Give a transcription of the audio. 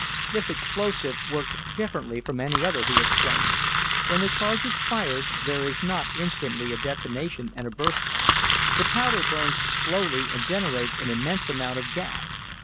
"This explosive works differently from any other," he explained. "When the charge is fired there is not instantly a detonation and a bursting. The powder burns slowly and generates an immense amount of gas.